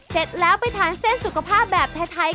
เสร็จแล้วไปทานเส้นสุขภาพแบบไทย